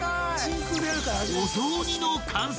［お雑煮の完成！］